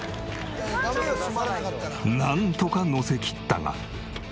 なんとか載せきったが。